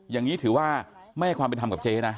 อย่างนี้ถือว่าไม่ให้ความเป็นธรรมกับเจ๊นะ